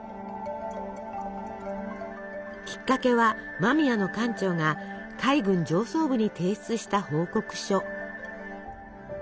きっかけは間宮の艦長が海軍上層部に提出した報告書。